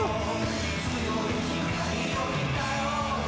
強い光をみたよ